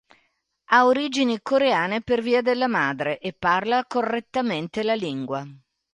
Ha origini coreane per via della madre, e parla correttamente la lingua.